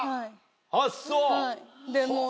あっそう。